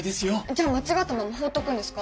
じゃあ間違ったまま放っとくんですか？